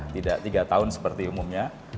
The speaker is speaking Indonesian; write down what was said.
tidak tiga tahun seperti umumnya